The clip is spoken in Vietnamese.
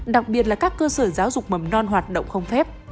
đặc biệt là các cơ sở giáo dục mầm non hoạt động không phép